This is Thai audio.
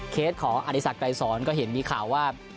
เคสของอธิสักต์ไกรศรก็เห็นมีข่าวว่า